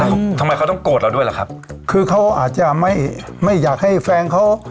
เขาทำไมเขาต้องโกรธเราด้วยล่ะครับคือเขาอาจจะไม่ไม่อยากให้แฟนเขา